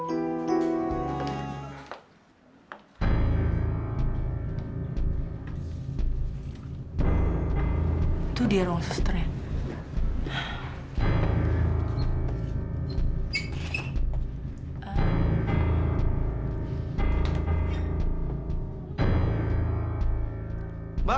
itu dia ruang susternya